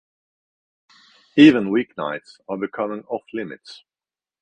Even weeknights are becoming off limits.